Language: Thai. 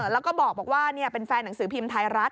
แล้วก็บอกว่าเป็นแฟนหนังสือพิมพ์ไทยรัฐ